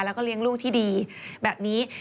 แล้วก็เลี้ยงลูกที่ดีแบบนี้